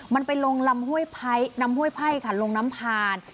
มันไปลงลำห้วยไพ่ค่ะลงน้ำพาน